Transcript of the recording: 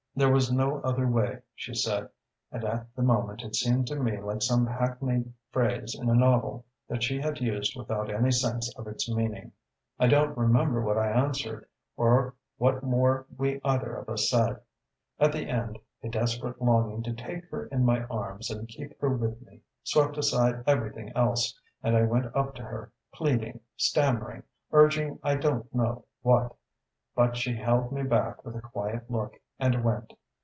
'There was no other way,' she said; and at the moment it seemed to me like some hackneyed phrase in a novel that she had used without any sense of its meaning. "I don't remember what I answered or what more we either of us said. At the end a desperate longing to take her in my arms and keep her with me swept aside everything else, and I went up to her, pleading, stammering, urging I don't know what.... But she held me back with a quiet look, and went.